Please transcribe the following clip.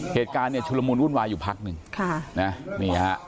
เหตุการณ์ชุดละมุนอุ่นวายอยู่คนละพักนึง